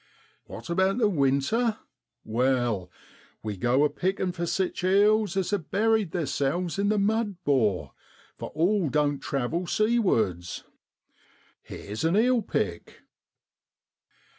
1 What about the winter? Wai, we go a pickin' for sich eels as have buried theerselves in the mud, 'bor, for all doan't travel seawards. Here's a eel pick.